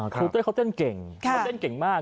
ครูเต้ยเขาเต้นเก่งเขาเต้นเก่งมาก